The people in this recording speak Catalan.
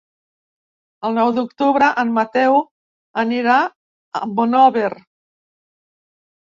El nou d'octubre en Mateu anirà a Monòver.